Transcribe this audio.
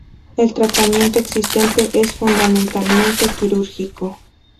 El tratamiento existente es fundamentalmente quirúrgico.